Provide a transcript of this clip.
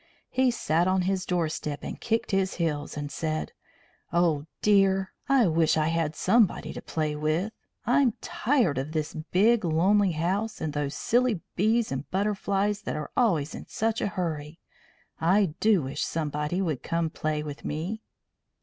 He sat on his doorstep and kicked his heels, and said: "Oh, dear! I wish I had somebody to play with. I'm tired of this big, lonely house, and those silly bees and butterflies that are always in such a hurry. I do wish somebody would come and play with me."